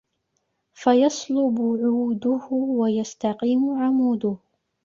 فَيَصْلُبُ عُودُهُ وَيَسْتَقِيمُ عَمُودُهُ